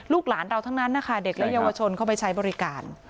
หลานเราทั้งนั้นนะคะเด็กและเยาวชนเข้าไปใช้บริการ